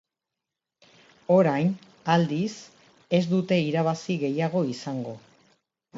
Orain, aldiz, ez dute irabazi gehiago izango.